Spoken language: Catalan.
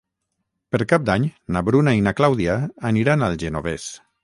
Per Cap d'Any na Bruna i na Clàudia aniran al Genovés.